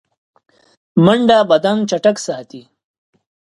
منډه بدن چټک ساتي